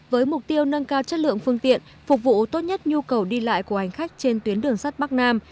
với mục tiêu nâng cao chất lượng phương tiện phục vụ tốt nhất nhu cầu đi lại của hành khách trên tuyến đường sắt bắc nam